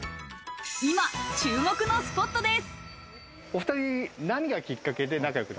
今、注目のスポットです。